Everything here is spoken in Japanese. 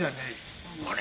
あれ？